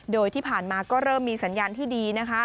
โดยที่ผ่านมาก็เริ่มมีสัญญาณที่ดีนะคะ